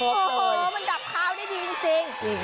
โอ้โหมันดับข้าวได้ดีจริง